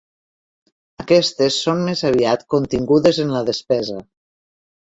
Aquestes són més aviat contingudes en la despesa.